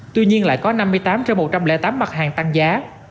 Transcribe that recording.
tuy nhiên lại có năm mươi tám trên một trăm linh tám mặt hàng tăng giá